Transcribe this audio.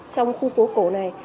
trong khu phố cổ này